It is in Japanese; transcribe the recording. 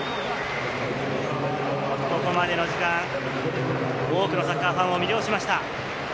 ここまでの時間、多くのサッカーファンを魅了しました。